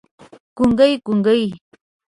ګونګي، ګونګي